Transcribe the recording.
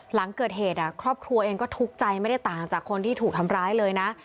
หลังเกิดเหตุครอบครัวเองก็ทุกข์ใจไม่ได้ต่างจากคนที่ถูกทำร้ายเลยนะ